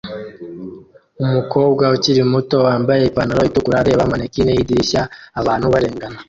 Umukobwa ukiri muto wambaye ipantaro itukura areba mannequin yidirishya abantu barengana